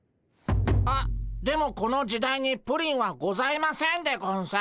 あっでもこの時代にプリンはございませんでゴンス。